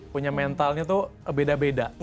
punya mentalnya tuh beda beda